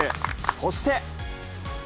そして。